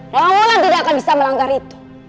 maulah tidak akan bisa melanggar itu